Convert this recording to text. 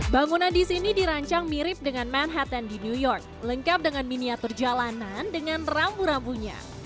bangunan di sini dirancang mirip dengan manhattan di new york lengkap dengan miniatur jalanan dengan rambu rambunya